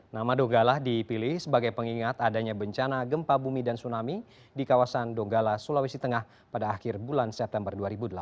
nama donggala dipilih sebagai pengingat adanya bencana gempa bumi dan tsunami di kawasan donggala sulawesi tengah pada akhir bulan september dua ribu delapan belas